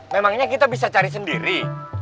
memangnya kita bisa cari sendiri